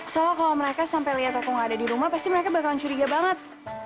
soalnya kalau mereka sampai lihat aku nggak ada di rumah pasti mereka bakal curiga banget